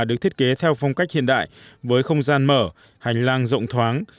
lấy theo phong cách hiện đại với không gian mở hành lang rộng thoáng